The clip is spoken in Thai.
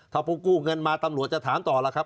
ถ้าผู้กู้เงินมาตำรวจจะถามต่อล่ะครับ